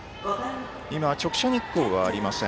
今、直射日光はありません